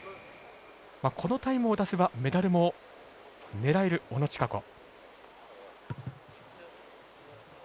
このタイムを出せばメダルも狙える小野智華子。